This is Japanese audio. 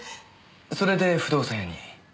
それで不動産屋に？